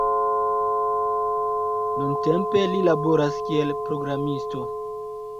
Nuntempe li laboras kiel programisto.